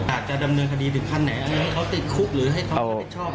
อาจจะดำเนินคดีถึงขั้นไหนให้เขาติดคุกหรือให้เขาไม่ชอบอะไร